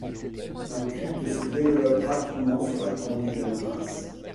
Un culte se développe rapidement sur la tombe du jeune prince.